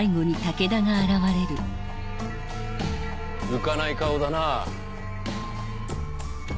浮かない顔だなぁ。